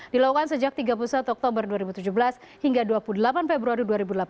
dilakukan sejak tiga puluh satu oktober dua ribu tujuh belas hingga dua puluh delapan februari dua ribu delapan belas